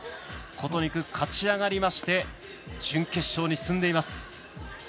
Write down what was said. コトニク勝ち上がりまして準決勝に進んでいます。